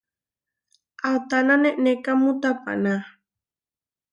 ¿Atána neʼnékamu taapaná?